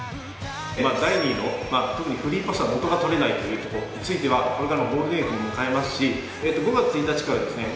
第２位の特にフリーパスは元がとれないというとこについてはこれからゴールデンウィークを迎えますし５月１日からですね